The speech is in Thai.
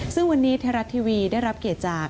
ซึ่งวันนี้ไทยรัฐทีวีได้รับเกียรติจาก